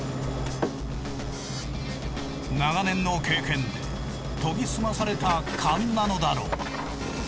長年の経験で研ぎ澄まされたカンなのだろう。